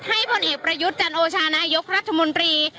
ผลเอกประยุทธ์จันโอชานายกรัฐมนตรี